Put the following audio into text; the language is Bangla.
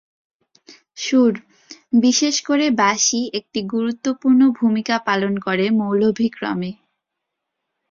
সুর, বিশেষ করে বাঁশি একটি গুরুত্বপূর্ণ ভূমিকা পালন করে মৌলভী ক্রমে।